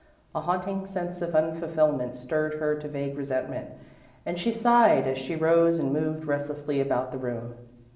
A haunting sense of unfulfilment stirred her to vague resentment, and she sighed as she rose and moved restlessly about the room.